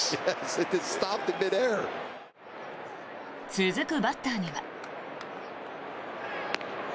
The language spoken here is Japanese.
続くバッターには。